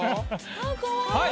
あぁかわいい。